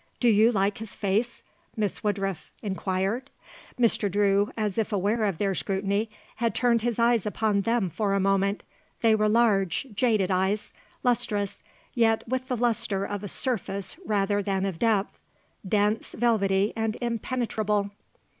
"Do you like his face?" Miss Woodruff inquired. Mr. Drew, as if aware of their scrutiny, had turned his eyes upon them for a moment. They were large, jaded eyes, lustrous, yet with the lustre of a surface rather than of depth; dense, velvety and impenetrable.